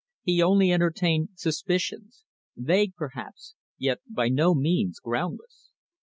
He only entertained certain suspicions, vague perhaps, yet by no means groundless.